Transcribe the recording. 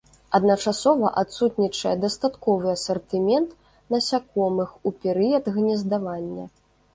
Адначасова адсутнічае дастатковы асартымент насякомых у перыяд гнездавання.